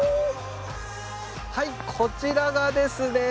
はいこちらがですね